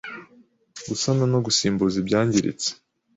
gusana no gusimbuza ibyangiritse,